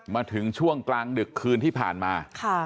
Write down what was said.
มาถึงช่วงกลางดึกคืนที่ผ่านมา